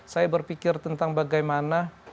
saya berpikir tentang bagaimana